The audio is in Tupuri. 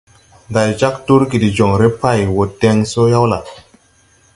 Ndày jāg durgi de joŋre pay wo den so yaw la?